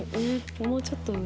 もうちょっと上っぽい。